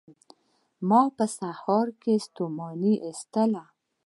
ما په سهار کې ستوماني ایستله